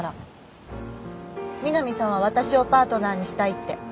三並さんは私をパートナーにしたいって。